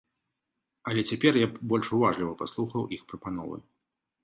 Але цяпер я б больш уважліва паслухаў іх прапановы.